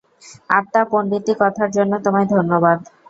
আত্মা, পন্ডিতি কথার জন্য তোমায় ধন্যবাদ।